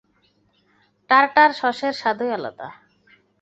টারটার সসের স্বাদই আলাদা।